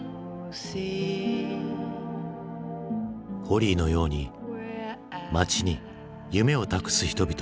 ホリーのように街に夢を託す人々。